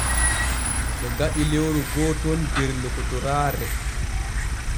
Ɓe gaɗi lewru gooton der lokotoraare.